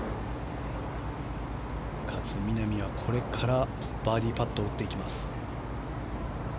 勝みなみはこれからバーディーパットを打っていきます。